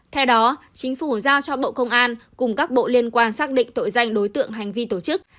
theo đó chính phủ giao cho bộ công an cùng các bộ liên quan xác định tội danh đối tượng hành vi tổ chức